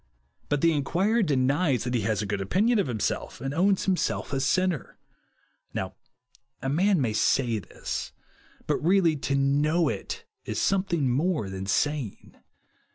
But the inquirer denies that he has a good opinion of himself, and ov^ns himself a sinner. Now a man may say this ; but really to hnoiu it is something more than saying.